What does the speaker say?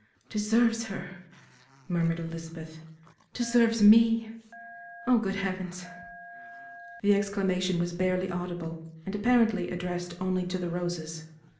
"Deserves her!" murmured Elizabeth, "deserves me! Oh, good Heavens!" The exclamation was barely audible, and apparently addressed only to the roses.